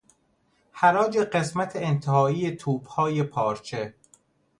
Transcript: حراج قسمت انتهایی توپهای پارچه